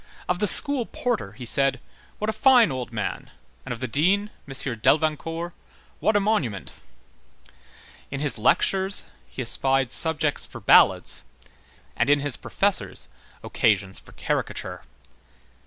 Of the school porter he said: "What a fine old man!" and of the dean, M. Delvincourt: "What a monument!" In his lectures he espied subjects for ballads, and in his professors occasions for caricature.